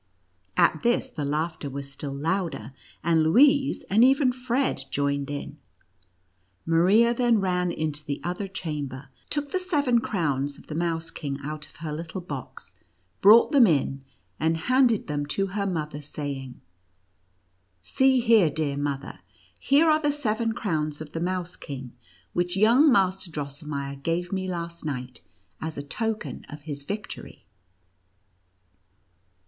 At this the laughter was still louder, and Louise, and even Fred, joined in. Maria then ran into the other chamber, took the seven crowns of the Mouse Kino out of her little box, brought them in, and handed NTJTCEACKEß AND MOUSE KING. 131 tliem to her mother, saying: "See here, dear mother, here are the seven srowns of the Mouse King, which young Master Drosselmeier gave me last night, as a token of his victory."